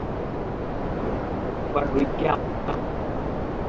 Gilgamesh একবার ড্রুইগকে আমাকে ঘুম পাড়াতে বলেছিলো।